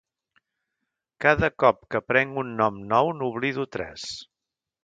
Cada cop que aprenc un nom nou n'oblido tres.